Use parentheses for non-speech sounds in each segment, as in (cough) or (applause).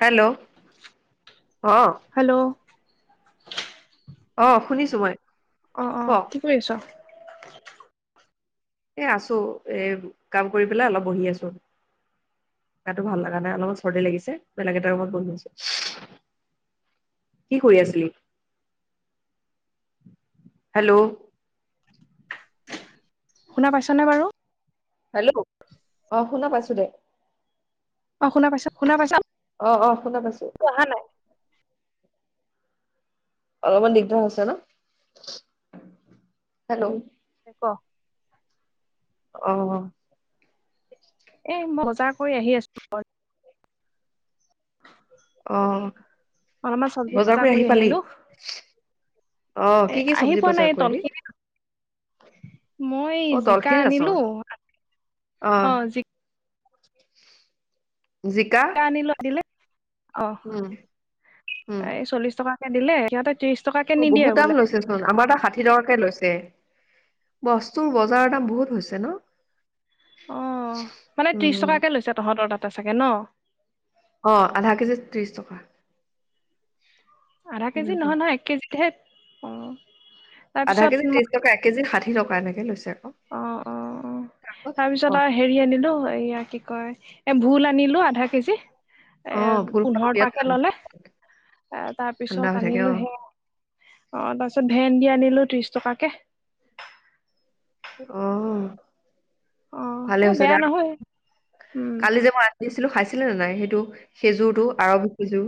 Hello অহ। Hello অ শুনিছো মই। অ অ কওক কি কৰি আছ? এ আছো এ কাম কৰি পেলাই অলপ বহি আছো আৰু। গাটো ভাল লগা নাই অলপমান চৰ্দি লাগিছে বেলেগ এটাৰ ৰুমত বহি আছো। কি কৰি আছিলি হেল্ল', শুনা পাইছনে বাৰু। হেল্ল' অ শুনা পাইছো দে। অ শুনা পাইছা শুনা পাইছা? অ অ শুনা পাইছো। অহা নাই অলপমান দিগদাৰ হৈছে ন? হেল্ল', ক (unintelligible) অহ এ মই বজাৰ কৰি আহি আছো ঘৰত। (unintelligible) অ অলপমান চব্জি বজাৰ পৰা কৰি আহি পালি আহিলো অ এ কি কি আহি চব্জি পোৱা নাই এই বজাৰ কৰিলি তলখিনিত মই অ জিকা তলখিনিত আছ আনিলো অ জি- জিকা কা আনিলো আ দিলে অ উম উম এই চল্লিশ টকাকে দিলে সিহঁতে ত্ৰিশ- টকাকে অ নিদিয়ে বহুত দাম বোলে লৈছে চোন আমাৰ তাত ষাঠি টকাকে লৈছে বচ বস্তুৰ বজাৰৰ দাম বহুত হৈছে ন। অ মানে ত্ৰিশ উম টকাকে লৈছে তহঁতৰ তাতে চাগে ন অ আধা কেজি ত্ৰিশ টকা। আধা কেজি এনেকুৱা নহয় নহয় এক কেজিতহে অ আধা তাৰপিছত কেজি মই ত্ৰিশ টকা এক কেজি ষাঠি টকা এনেকৈ লৈছে আৰু অ অ অ অ তাৰপিছত আৰু হেৰি আনিলো এয়া কি কয় এ ভোল আনিলো আধা কেজি এ অ ভুল খোৱাটো পোন্ধৰ বিৰাট টকাকে ঠাণ্ডা ললে এ তাৰ ঠাণ্ডা হৈ পিছত থাকে আনিলো অ হেআ অ তাৰ পিছত ভেন্দি আনিলো ত্ৰিশ টকাকে অ অ ভালে সেই হৈছে বেয়া দে নহয় উম কালি যে মই দিছিলো খাইছিলে নে নাই সেইটো খেজুৰটো আৰবি খেজুৰ।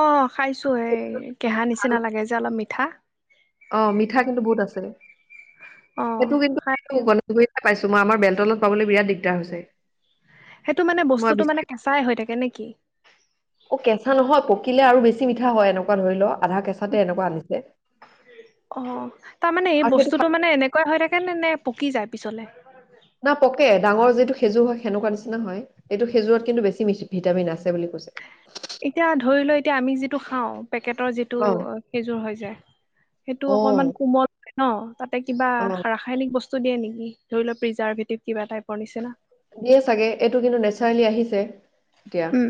অ খাইছো এই কেহা নিচিনা লাগে যে অলপ মিঠা। অ মিঠা কিন্তু বহুত আছিল অ সেইটো কিন্তু খাই গণ পাইছো মই আমাৰ বেলতলাত পাবলৈ বিৰাট দিগদাৰ হৈছে। সেইটো মানে বস্তুটো মই মানে কেঁচাই হৈ থাকে নে কি অ কেঁচা নহয় প- কিলে আৰু বেছি মিঠা হয় এনেকোৱা ধৰি লও আধা কেঁচাতে এনেকোৱা আনিছে। অ তাৰমানে এই আৰু সেইটো বস্তুটো মানে এনেকোৱা হৈ থাকে নে নে পকি যায় পিছলে না পকে ডাঙৰ যিটো সেজুৰ হয় সেনেকোৱা নিচিনা হয় এইটো খেজুৰত কিন্তু বেছি ভিটামিন আছে। সেই বুলি কৈছে। এতিয়া ধৰি লও এতিয়া আমি যিটো খাওঁ পেকেটৰ যিটো অ খেজুৰ হৈ যায় সেইটো অ অকনমান কোমল। ন তাতে কিবা অ ৰাসায়নিক বস্তু দিয়ে নেকি ধৰি লওক প্ৰিজাৰ্ভেটিভ কিবা টাইপৰ নিচিনা। দিয়ে চাগে এইটো কিন্তু নেচাৰেলি আহিছে এতিয়া উম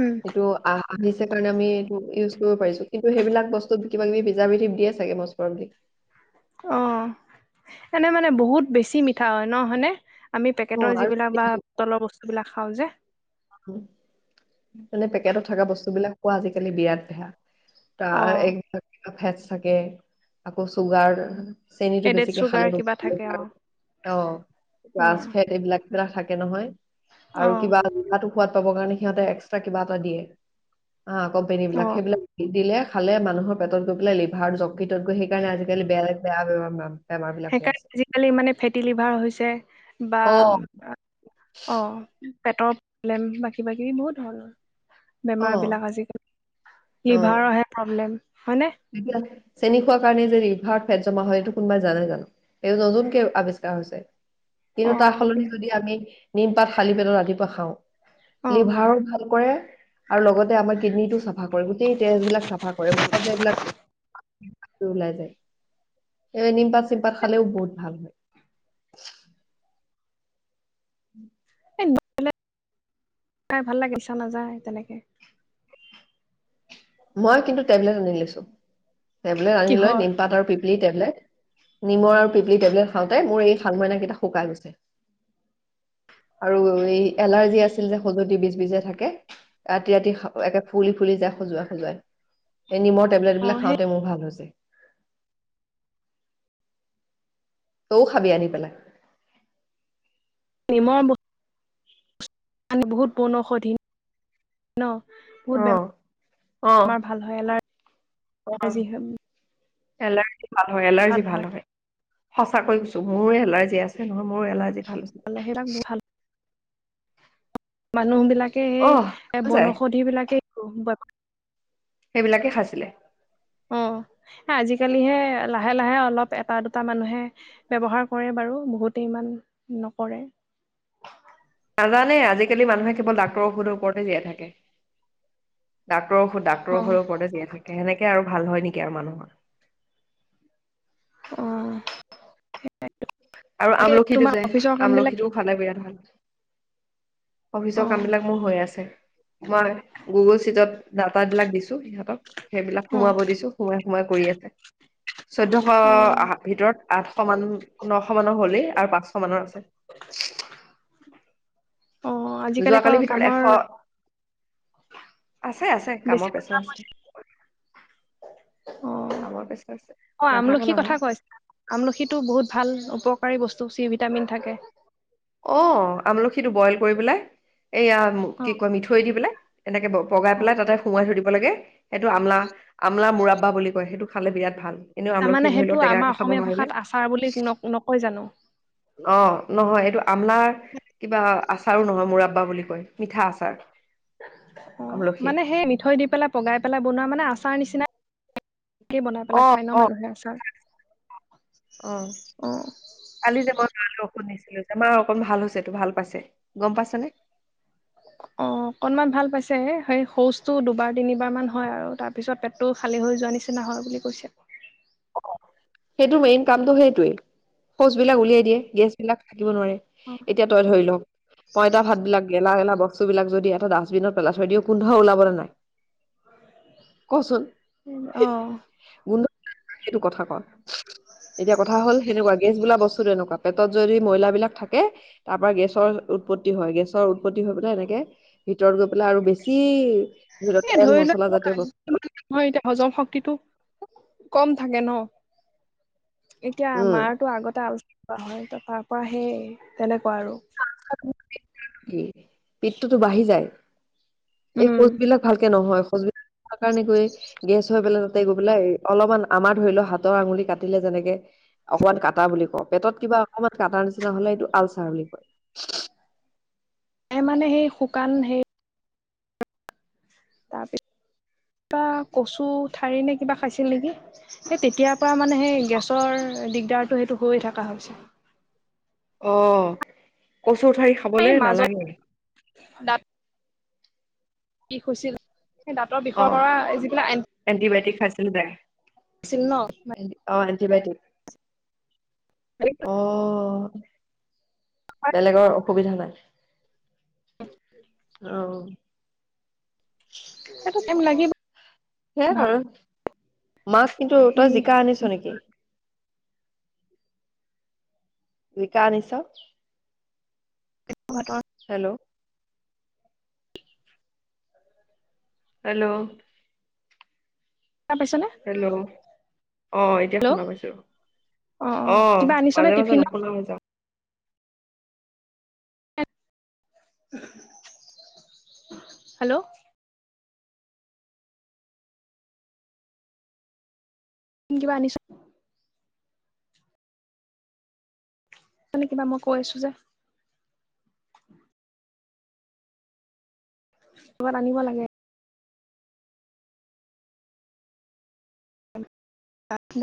উম এইটো আহ আহিছে কাৰণে আমি এইটো ইউজ কৰিব পাৰিছো কিন্তু সেইবিলাক বস্তুত কিবা কিবি প্ৰিজাৰভেটিভ দিয়ে চাগে লছ পৰিব বুলি অ এনে মানে বহুত বেছি মিঠা হয় ন হয়নে আমি অ পেকেটৰ আৰু যিবিলাক বা তলৰ বস্তুবিলাক খাওঁ যে মানে পেকেটত থকা বস্তু বিলাক কোৱা আজিকালি বিৰাট বেয়া। তা অ ফেট থাকে আকৌ চুগাৰ চেনীটো এডেড বেছিকে চুগাৰ খালে কিবা বুলি থাকে অ অ উম গাছ ফেট এইবিলাক বিলাক থাকে নহয় অ আৰু কিবা সোৱাদ‌ পাবৰ কাৰণে সিহঁতে এক্সটা কিবা এটা দিয়ে আ অ কম্পেনিবিলাক সেইবিলাক নিদিলে খালে মানুহৰ পেটত গৈ পেলাই লিভাৰ যকৃত গৈ সেই কাৰণে আজিকালি বেয়া লেগ বেয়া বোৰাম সেইকাৰণে আজিকালি মানে ফেটি লিভাৰ হৈছে বা অ অ' পেটৰ প্ৰব্লেম বাকী বাকী বহুত হ'ল অ বেমাৰ বিলাক অ আজিকালি। লিভাৰৰহে প্ৰব্লেম হয়নে এতিয়া চেনী খোৱা কাৰণে যদি ঘৰত ফেট জমা হয়। এইটো কোনোবাই জানে জানো এইটো নতুনকে আৱিষ্কাৰ হৈছে। অ কিন্তু তাৰ কি সলনি যদি আমি নিমপাত খালি পেটত ৰাতিপুৱা খাওঁ। অ লিভাৰ ভাল কৰে আৰু লগতে আমাৰ কিডনীটো চাফা কৰে গোটেই তেজবিলাক চাফা কৰে মুখত যে এইবিলাক ওলাই যায় স নিমপাত চিমপাত খালেও বহুত ভাল হয়। (unintelligible) উম। তে চাই ভাল লাগে, (unintelligible) নাযায় তেনেকে। মই কিন্তু টেবলেট আনি লৈছো, টেবলেট আনি লৈ কিহৰ নিমপাত আৰু পিপ্লিত নিমৰ আৰু পিপলি টেবলেট খাওঁতে মোৰ এই শালমইনা কেইটা শুকাই গৈছে। আৰু এই এলাৰ্জি আছিল যে সজতি বীজ বিজাই থাকে। ৰাতি-ৰাতি একে ফুলি-ফুলি যায় সজোৱা এই নিমৰ টেবলেট অ এইবিলাক সেই খাওঁতে মোৰ ভাল হৈছে। তৌ খাবি আনি পেলাই। মই বহুত পান বহুত বনৌষধীন বহুত অ অ বেমাৰ (inaudible) ভাল হয়। অ এলাৰ (inaudible) এলাৰ্জি ভাল হয়, এলাৰ্জি ভাল হয়। সঁচাকৈ কৈছো, মোৰো এলাৰ্জি আছে নহয় মোৰো এলাৰ্জি ভাল হৈছে হ সেইবাক ভাল (inaudible) মানুহ বিলাক সেই অহ এ যায় বনৌষধি বিলাকে। (unintelligible) সেইবিলাকে খাইছিলে। অ'। আজিকালিহে লাহে-লাহে অলপ এটা দুটা মানুহে ব্যৱহাৰ কৰে বাৰু, বহুত গো ইমান নকৰে। আজিকালি মানুহে কেৱল ডাক্তৰৰ ঔষধৰ ওপৰতে জীয়াই থাকে। অ ডাক্তৰৰ হৈ ওপৰতে জীয়াই থাকে সেনেকে আৰু ভাল হয় নেকি আৰু মানুহৰ? অ', সেয়াই। আৰু আমলখিটো যে? বিলাক আমলখিটোও ভালে বিৰাট ভাল। অ অফিচৰ কাম বিলাক মোৰ হৈ আছে। মই গুগল চিটত ডাটা বিলাক দিছো সিহঁতক। সেইবিলাক অ সোমাব দিছো। সোমাই সময় কৰি আছে। চৈধ্যয়শ অ আহ ভিতৰত আঠশ মান ন শ মানৰ হ'লেই আৰু পাঁচশ মানৰ আছে। অ আজিকালি আকৌ যোৱাকালিৰ ভিতৰত কামৰ এশ আছে-আছে, কামৰ পেচা আছে। উম'। কামৰ প্ৰেছাৰ আছে অ', অ', নাথাকা আমলখিৰ নহয় কথা কৈছা, আমলখি বহুত ভাল উপকাৰী বস্তু। চি ভিটামিন থাকে। অ', আমলখিটো বইল কৰি পেলাই এইয়া অ কি কয় মিঠৈ দি পেলাই। এনেকে পগাই অ পেলাই তাতে সোমাই থৈ দিব। লাগে। সেইটো আমলা-আমলা মৰাব্বা বুলি কয় সেইটো খালে বিৰাট ভাল। এনেও আমলখি তাৰমানে ধৰি সেইটো লও আমাৰ টেঙাকে খাব অসমীয়া নোৱাৰিলে ভাষাত আচাৰ বুলি ন নকয় জানো অ', নহয় এইটো আমলাৰ কিবা আচাৰো নহয় মুৰাব্বা বুলি কয় মিঠা আচাৰ। অহ, আমলখি মানে সেই মিঠৈ দি পেলাই পগাই পেলাই বনোৱা মানে আচাৰ নিচিনা তেই বনাই পেলাই খায় ন' মানুহে আচাৰ। অহ, অ কালি যাব ভাল টোশুনিছিলো যে এইবাৰ অকণ ভাল হৈছে তো ভাল পাইছে, গম পাইছ নে? (inaudible) অ'অকনমান ভাল পাইছে, সেই শৌচটো দুবাৰ- তিনিবাৰ মান হয় আৰু তাৰ পিছত পেটটো খালী হৈ যোৱা নিচ নহয় বুলি কৈছে। (inaudible) সেইটো মেইন কামটো সেইটোৱেই শৌচ বিলাক উলিয়াই দিয়ে গেছ বিলাক থাকিব নোৱাৰে, এতিয়া তই ধৰি ল'পইতা ভাত বিলাক গেলা- গেলা বস্তু বিলাক যদি এটা ডাষ্টবিনত পেলাই থৈ দিওঁ গোন্ধ ওলাবলৈ নে নাই কচোন? অ গোন্ধ সেইটো কথা ক। এতিয়া কথা হ'ল সেনেকোৱা, গেছ বোলা বস্তুটো এনেকোৱা, পেটত যদি ময়লাবিলাক থাকে। তাৰ পৰা গেছৰ উৎপত্তি হয়। গেছৰ উৎপত্তি হৈ পেলাই এনেকে ভিতৰত গৈ পেলাই আৰু বেছি লওক এ তেল ধৰি মছলা লোৱা জাতীয় বস্তু নহয় (unintelligible) এতিয়া হজম শক্তিটো। কম থাকে ন? এতিয়া উম মাৰতো আগতে আলোচনা কৰা হয়। তাৰ পৰা সেই তেনেকুৱা আৰু। (unintelligible) পিঠটোতো বাঢ়ি যায়, এই উম শৌচবিলাক ভালকে নহয়। শৌচবিলাক কাৰণে গৈ গেছ হয় পেলা গৈ পেলাই অলপমান আমাৰ ধৰি লও হাতৰ আঙুলি কাটিলে যেনেকে অকমান কাটা বুলি কওঁ। পেটত কিবা অকণমান কটাৰ নিচিনা হলে এইটো আলচাৰ বুলি কয়। মানে সেই শুকান সেই তাৰ পিছ কিবা কচু ঠাৰি নে কিবা খাইছিল নেকি? সেই তেতিয়াৰ পৰা মানে সেই গেছৰ দিগদাৰটো সেইটো হৈয়ে থাকা হৈছে। অ' কচুৰ ঠাৰি এই খাবলৈ মাজত নালাগে। দাঁত বিষ হৈছিল দাঁতৰ বিষৰ অ' পৰা যিবিলাক এন (unintelligible) চিমন' অ' এণ্টিবায়টিক। সেইটো অ' বেলেগৰ অসুবিধা নাই। অ'। সেইটো টাইম লাগিব। সেয়া ভাত আৰু মাক কিন্তু তই জিকা আনিছ নেকি? জিকা আনিছ? ভাতৰ হেল্ল' হেল্ল' শুনা পাইছানে হেল্ল'। অ' এতিয়া হেল্ল' শুনা পাইছো। অ কিবা আনিছনে মাজে মাজে টিফিনত নুশুনা হৈ যাওঁ। হেল্ল' (unintelligible) মানে কিবা মই কৈ আছো যে। কবাত আনিব লাগে। (unintelligible)